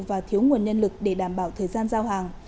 và thiếu nguồn nhân lực để đảm bảo thời gian giao hàng